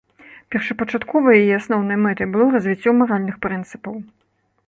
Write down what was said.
Першапачаткова яе асноўнай мэтай было развіццё маральных прынцыпаў.